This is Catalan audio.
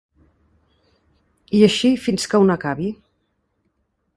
I així fins que un acabi.